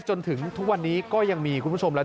จนถึงทุกวันนี้ก็ยังมีคุณผู้ชมและ